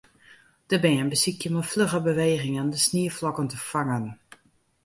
De bern besykje mei flugge bewegingen de snieflokken te fangen.